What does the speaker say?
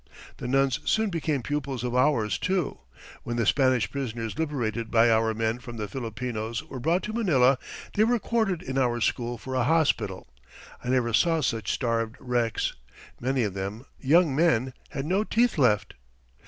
The nuns soon became pupils of ours, too. When the Spanish prisoners liberated by our men from the Filipinos were brought to Manila they were quartered in our school for a hospital. I never saw such starved wrecks. Many of them young men had no teeth left.